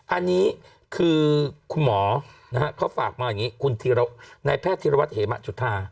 อันนี้คือคุณหมอนะฮะเขาฝากมาอย่างนี้คุณนายแพทย์ธิรวัตรเหมะจุธา